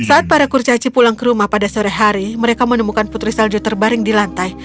saat para kurcaci pulang ke rumah pada sore hari mereka menemukan putri salju terbaring di lantai